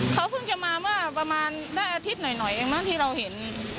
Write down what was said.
เขาเพิ่งจะมาเมื่อประมาณได้อาทิตย์หน่อยเองมั้งที่เราเห็น